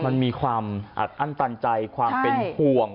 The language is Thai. มันมีความอัดอั้นตันใจความเป็นห่วง